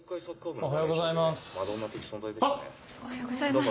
おはようございます。